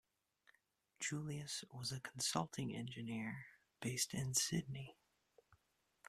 Julius was a consulting engineer, based in Sydney.